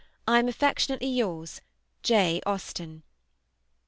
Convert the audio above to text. I am affectionately yours, J. AUSTEN.